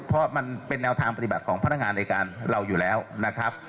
เพราะมันเป็นแนวทางปฏิบัติของพนักงานในการเราอยู่แล้วนะครับ